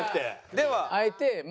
では。